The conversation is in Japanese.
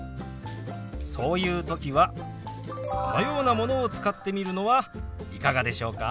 そういう時はこのようなものを使ってみるのはいかがでしょうか。